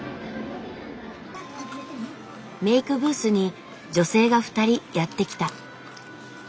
メイクブースに女性が２人やって来た。